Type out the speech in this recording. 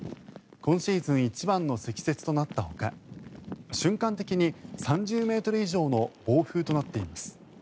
今シーズン一番の積雪となったほか瞬間的に３０ｍ以上の暴風となっています。